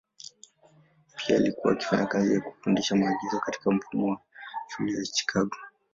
Pia alikuwa akifanya kazi ya kufundisha maigizo katika mfumo wa shule ya Chicago.